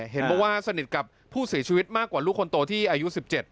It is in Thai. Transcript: เห็นบอกว่าสนิทกับผู้เสียชีวิตมากกว่าลูกคนโตที่อายุ๑๗